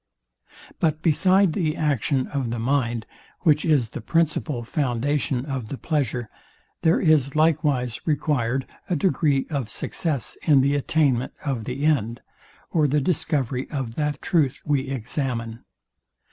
But beside the action of the mind, which is the principal foundation of the pleasure, there is likewise required a degree of success in the attainment of the end, or the discovery of that truth we examine.